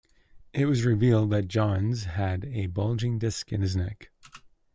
It was revealed that Johns had a bulging disc in his neck.